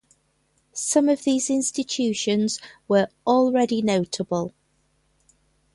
Some of these institutions were already notable.